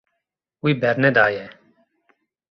Wî bernedaye.